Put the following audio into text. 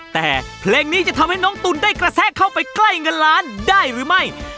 แต่เพลงนี้จะทำให้น้องตุ๋นได้กระแทกเข้าไปใกล้เงินล้านได้หรือไม่